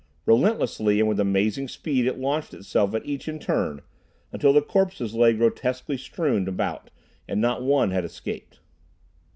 Relentlessly and with amazing speed it launched itself at each in turn, until the corpses lay grotesquely strewn about, and not one had escaped.